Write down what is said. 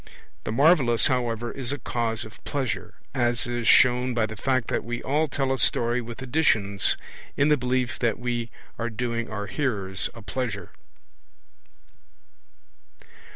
The marvellous, however, is a cause of pleasure, as is shown by the fact that we all tell a story with additions, in the belief that we are doing our hearers a pleasure.